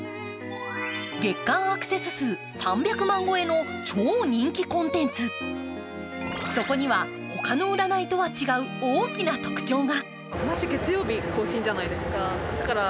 月刊アクセス数３００万超えの超人気コンテンツ、そこにはほかの占いとは違う大きな特徴が。